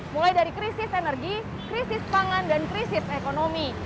mulai dari krisis energi krisis pangan dan krisis ekonomi